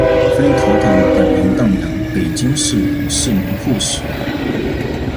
菲妥妥本名邓阳，北京市人，是名护士。